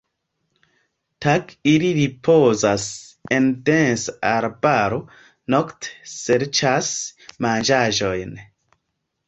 Tage ili ripozas en densa arbaro, nokte serĉas manĝaĵojn.